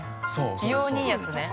美容にいいやつね。